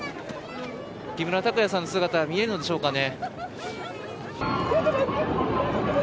木村拓哉さんの姿が見えるのでしょうかね。